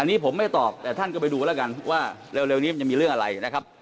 อันนี้ผมไม่ตอบแต่ท่านก็ไปดูแล้วกันว่าเร็วนี้มันจะมีเรื่องอะไรนะครับ